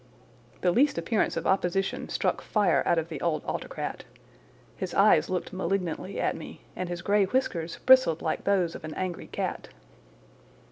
The least appearance of opposition struck fire out of the old autocrat. His eyes looked malignantly at me, and his grey whiskers bristled like those of an angry cat.